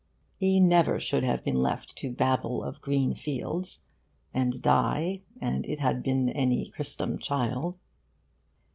He never should have been left to babble of green fields and die 'an it had been any christom child.